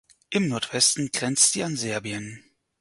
Im Nordwesten grenzt sie an Serbien.